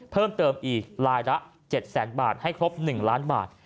เพิ่มเติมอีกลายละ๗แสนบาทให้ครบ๑ล้านบาท